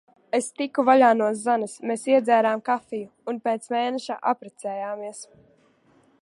Es tiku vaļā no Zanes. Mēs iedzērām kafiju. Un pēc mēneša apprecējāmies.